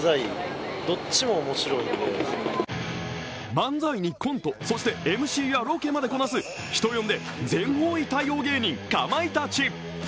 漫才にコント、そしてＭＣやロケまでこなす人呼んで全方位対応芸人かまいたち。